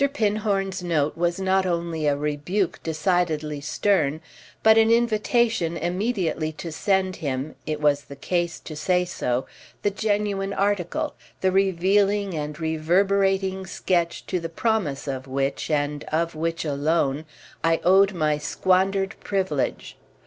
Pinhorn's note was not only a rebuke decidedly stern, but an invitation immediately to send him—it was the case to say so—the genuine article, the revealing and reverberating sketch to the promise of which, and of which alone, I owed my squandered privilege.